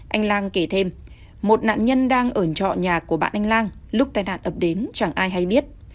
anh lang kể thêm một nạn nhân đang ở trọ nhà của bạn anh lang lúc tai nạn ập đến chẳng ai hay biết